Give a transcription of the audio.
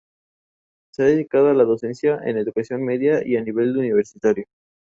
Es uno de los restos de esqueletos humanos más antiguos encontrados en Israel.